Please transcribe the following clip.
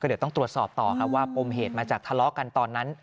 เดี๋ยวต้องตรวจสอบต่อครับว่าปมเหตุมาจากทะเลาะกันตอนนั้น